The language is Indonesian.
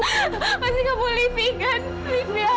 lidung kamu pasti kamu livi kan